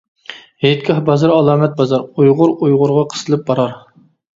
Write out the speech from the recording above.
ھېيتگاھ بازىرى ئالامەت بازار، ئۇيغۇر ئۇيغۇرغا قىستىلىپ بارار.